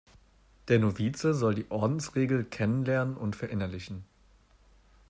Der Novize soll die Ordensregel kennenlernen und verinnerlichen.